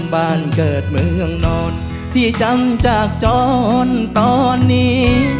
บ้านเกิดเมืองนอนที่จำจากจรตอนนี้